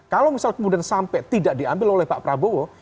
kalau misal kemudian sampai tidak diambil oleh pak prabowo